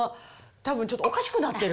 たぶんちょっと、おかしくなってる。